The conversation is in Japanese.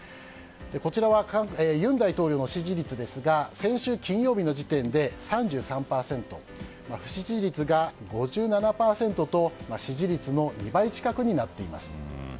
こちらは尹大統領の支持率ですが先週金曜日の時点で３３％不支持率が５７％と支持率の２倍近くになっています。